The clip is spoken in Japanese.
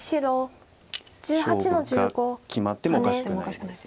勝負が決まってもおかしくないです。